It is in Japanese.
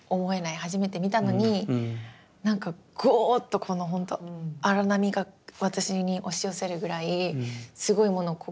初めて見たのになんかゴーッとこのほんと荒波が私に押し寄せるぐらいすごいもの。